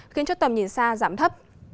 khiến cho tầm nhìn xa giảm thấp